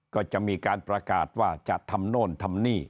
ก็จะมีการประกาศว่าจะทำโน่นทำนี่